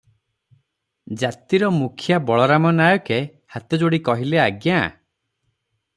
ଜାତିର ମୁଖ୍ୟା ବଳରାମ ନାୟକେ ହାତଯୋଡି କହିଲେ, "ଆଜ୍ଞା!